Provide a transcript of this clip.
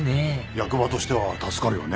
役場としては助かるよね。